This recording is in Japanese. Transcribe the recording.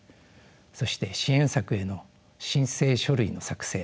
そして支援策への申請書類の作成